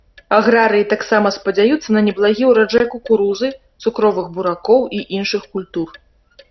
Аграрыі таксама спадзяюцца на неблагі ўраджай кукурузы, цукровых буракоў і іншых культур.